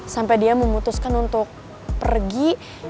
sampai dia memutuskan untuk pergi